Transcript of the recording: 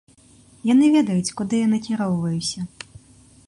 Яны ведаюць, куды я накіроўваюся!